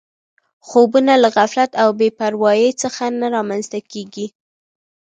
خوبونه له غفلت او بې پروایۍ څخه نه رامنځته کېږي